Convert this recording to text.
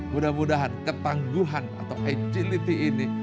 mudah mudahan ketangguhan atau agility ini